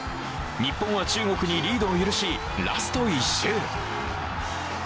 日本は中国にリードを許し、ラスト１周。